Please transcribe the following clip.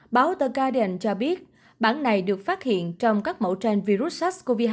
báo the guardian cho biết bản này được phát hiện trong các mẫu trend virus sars cov hai